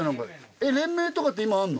連盟とかって今あんの？